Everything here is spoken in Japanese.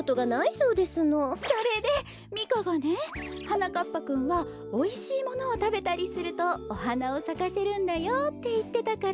それでミカがね「はなかっぱくんはおいしいものをたべたりするとおはなをさかせるんだよ」っていってたから。